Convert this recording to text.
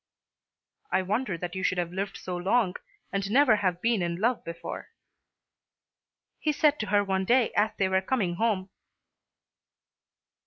"I wonder that you should have lived so long, and never have been in love before," he said to her one day as they were coming home.